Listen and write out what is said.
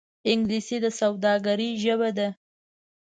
انګلیسي د سوداگرۍ ژبه ده